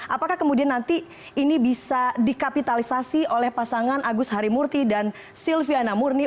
apakah kemudian nanti ini bisa dikapitalisasi oleh pasangan agus harimurti dan silviana murni